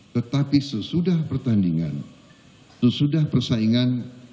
tetapi sesudah pertandingan sesudah persaingan